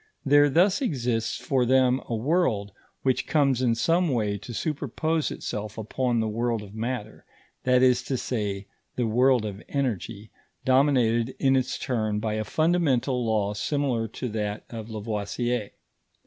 There thus exists for them a world, which comes in some way to superpose itself upon the world of matter that is to say, the world of energy, dominated in its turn by a fundamental law similar to that of Lavoisier.